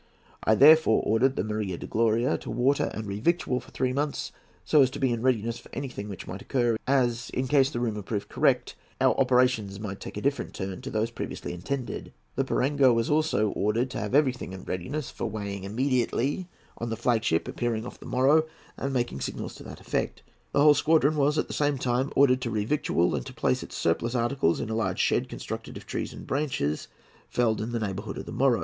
I therefore ordered the Maria de Gloria to water and re victual for three months, so as to be in readiness for anything which might occur, as, in case the rumour proved correct, our operations might take a different turn to those previous intended. The Piranga was also directed to have everything in readiness for weighing immediately on the flag ship appearing off the Moro and making signals to that effect. The whole squadron was at the same time ordered to re victual, and to place its surplus articles in a large shed constructed of trees and branches felled in the neighbourhood of the Moro.